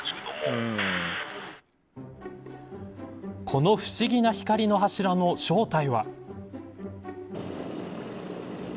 この不思議な光の柱の正体は。